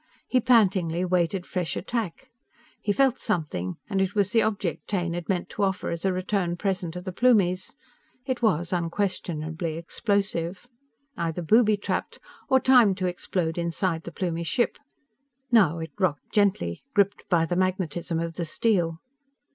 He pantingly waited fresh attack. He felt something and it was the object Taine had meant to offer as a return present to the Plumies. It was unquestionably explosive, either booby trapped or timed to explode inside the Plumie ship. Now it rocked gently, gripped by the magnetism of the steel.